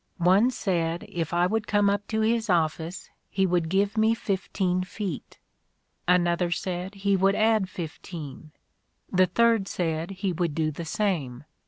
One said if I would come up to his office he would give me fifteen feet ; another said he would add fifteen ; the third said he would do the same.